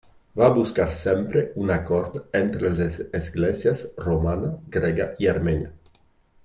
Va buscar sempre un acord entre les esglésies romana, grega i armènia.